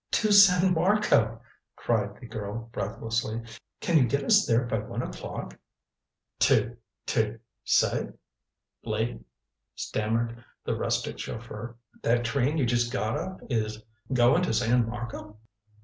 "To San Marco," cried the girl breathlessly. "Can you get us there by one o'clock?" "To to say, lady," stammered the rustic chauffeur. "That train you just got off of is going to San Marco."